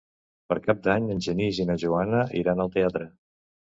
Per Cap d'Any en Genís i na Joana iran al teatre.